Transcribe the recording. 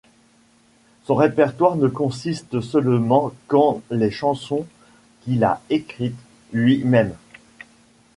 Son répertoire ne consiste seulement qu'en les chansons qu'il a écrites lui-même.